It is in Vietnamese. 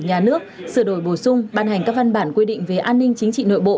nhà nước sửa đổi bổ sung ban hành các văn bản quy định về an ninh chính trị nội bộ